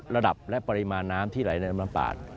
ระดับและปริมาณน้ำที่ไหลในลำน้ำป่า